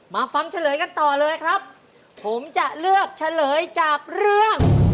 ฟังเฉลยกันต่อเลยครับผมจะเลือกเฉลยจากเรื่อง